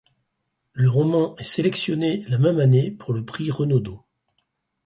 Le roman est sélectionné la même année pour le prix Renaudot.